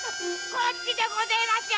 こっちでごぜえますよ！